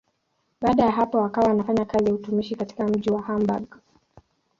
Baada ya hapo akawa anafanya kazi ya utumishi katika mji wa Hamburg.